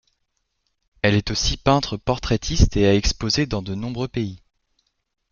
Elle est aussi peintre portraitiste et a exposé dans de nombreux pays.